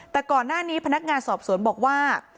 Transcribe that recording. แต่ก่อนหน้านี้พนักงานสอบสวนบอกว่า